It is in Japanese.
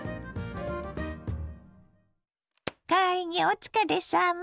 会議お疲れさま。